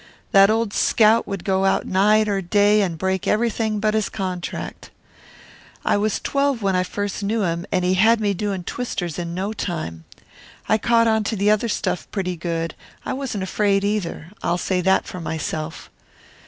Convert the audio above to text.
That old scout would go out night or day and break everything but his contract. I was twelve when I first knew him and he had me doing twisters in no time. I caught on to the other stuff pretty good. I wasn't afraid, either, I'll say that for myself.